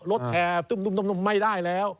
แห่ตุ้มไม่ได้แล้ว